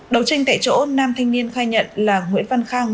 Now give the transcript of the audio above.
đầu tranh tại chỗ nam thanh niên khai nhận là nguyễn văn khang